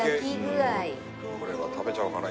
これは食べちゃおうかな。